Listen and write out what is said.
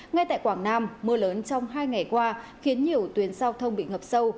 ngay tại quảng nam mưa lớn trong hai ngày qua khiến nhiều tuyến giao thông bị ngập sâu